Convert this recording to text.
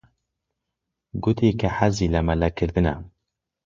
گوتی کە حەزی لە مەلەکردنە.